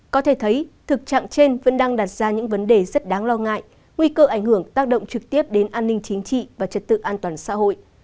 có thể thấy thực trạng trên vẫn đang đặt ra những vấn đề rất đáng lo ngại nguy cơ ảnh hưởng tác động trực tiếp đến an ninh chính trị và trật tự an toàn xã hội